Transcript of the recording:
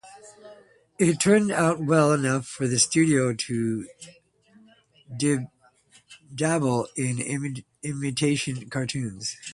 It turned out well enough for the studio to dabble in animated cartoons.